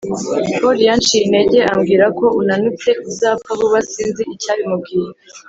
Paul yanciye intege, ambwira ko unanutse, uzapfa vuba sinzi icyabimubwiye